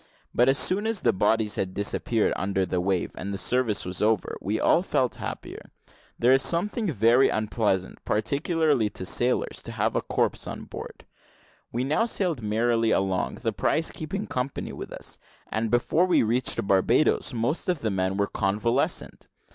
But as soon as the bodies had disappeared under the wave, and the service was over, we all felt happier. There is something very unpleasant, particularly to sailors, in having a corpse on board. We now sailed merrily along, the prize keeping company with us; and, before we reached Barbadoes, most of the men were convalescent.